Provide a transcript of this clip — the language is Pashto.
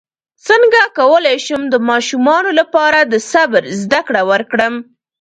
څنګه کولی شم د ماشومانو لپاره د صبر زدکړه ورکړم